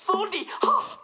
「はっ！